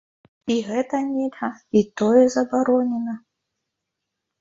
І гэта нельга, і тое забаронена.